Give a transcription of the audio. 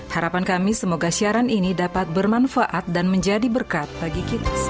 harapan kami semoga siaran ini dapat bermanfaat dan menjadi berkat bagi kita semua